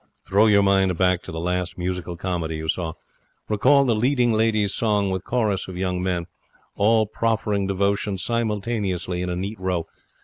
Throw your mind back to the last musical comedy you saw. Recall the leading lady's song with chorus of young men, all proffering devotion simultaneously in a neat row.